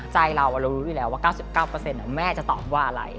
ใจเราเรารู้อยู่แล้วว่า๙๙แม่จะตอบว่าอะไร